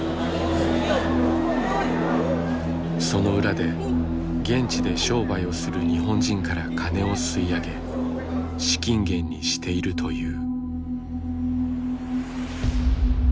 その裏で現地で商売をする日本人からカネを吸い上げ資金源にしているという。